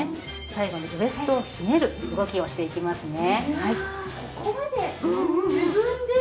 最後にウエストをひねる動きをしていきますね。